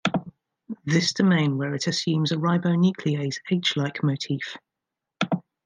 This domain where it assumes a ribonuclease H-like motif.